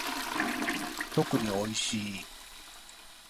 特に美味しい。